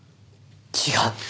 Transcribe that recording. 違う！